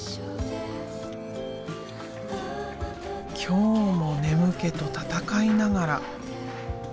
今日も眠気と闘いながら。